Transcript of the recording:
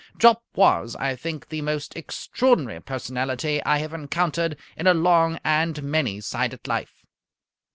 Jopp was, I think, the most extraordinary personality I have encountered in a long and many sided life.